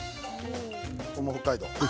これも北海道。